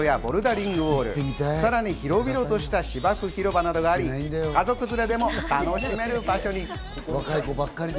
その屋上にはスケート場やボルダリングウォール、さらに広々とした、芝生広場などがあり、家族連れでも楽しめる場所に。